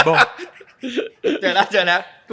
ไม่ต้องไปเสิร์ชอันนั้นผมเสิร์ชให้แล้ว